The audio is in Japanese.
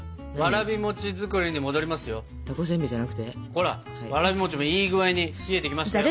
ほらわらび餅もいい具合に冷えてきましたよ。